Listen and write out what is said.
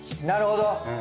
なるほど！